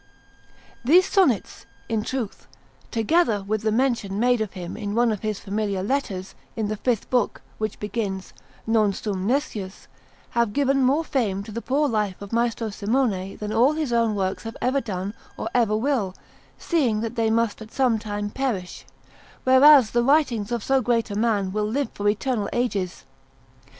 These sonnets, in truth, together with the mention made of him in one of his Familiar Letters, in the fifth book, which begins: "Non sum nescius," have given more fame to the poor life of Maestro Simone than all his own works have ever done or ever will, seeing that they must at some time perish, whereas the writings of so great a man will live for eternal ages.